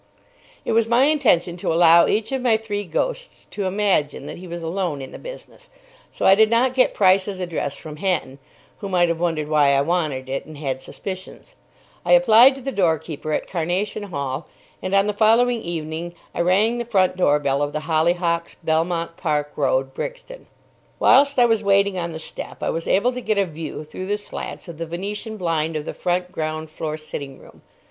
It was my intention to allow each of my three ghosts to imagine that he was alone in the business; so I did not get Price's address from Hatton, who might have wondered why I wanted it, and had suspicions. I applied to the doorkeeper at Carnation Hall; and on the following evening I rang the front door bell of The Hollyhocks, Belmont Park Road, Brixton. Whilst I was waiting on the step, I was able to get a view through the slats of the Venetian blind of the front ground floor sitting room.